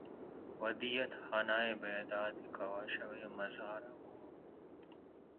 ودیعت خانۂ بیدادِ کاوشہائے مژگاں ہوں